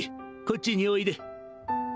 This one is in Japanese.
こっちにおいで